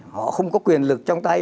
họ không có quyền lực trong tay